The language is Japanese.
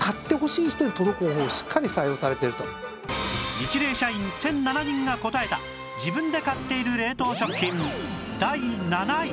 ニチレイ社員１００７人が答えた自分で買っている冷凍食品